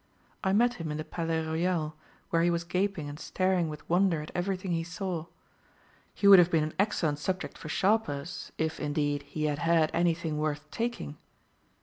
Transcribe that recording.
I met him in the Palais Royal, where he was gaping and staring with wonder at everything he saw. He would have been an excellent subject for sharpers, if, indeed, he had had anything worth taking!'